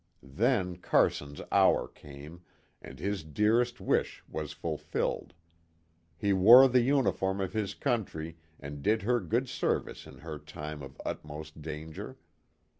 Then Carson's hour came, and his dearest wish was fulfilled ; he wore the uniform of his country and did her good service in her time of utmost danger.